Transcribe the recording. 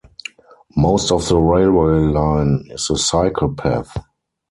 Most of the railway line is a cycle path.